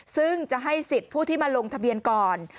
ซึ่งจะให้สิทธิ์ผู้ที่มาลงทะเบียนก่อน